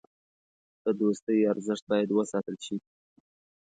د دوستۍ ارزښت باید وساتل شي.